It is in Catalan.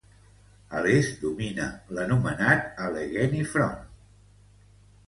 A l'est domina l'anomenat Allegheny Front.